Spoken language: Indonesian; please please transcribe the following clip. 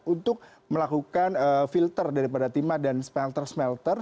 untuk melakukan filter daripada timah dan smelter smelter